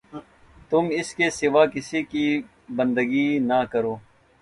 تم اس کے سوا کسی کی بندگی نہ کرو